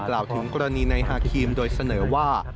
กล่าวถึงกรณีในฮาครีมโดยเสนอว่า